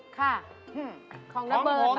ของน้ำเบิร์นล่ะครับ